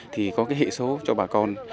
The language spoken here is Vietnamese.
thì có cái hệ số cho bà con